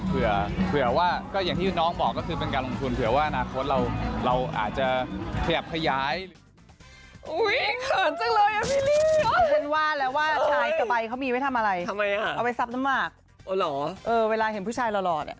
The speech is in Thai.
เผื่อว่าก็อย่างที่น้องบอกก็คือเป็นการลงทุนเผื่อว่าอนาคตเราอาจจะขยับขยาย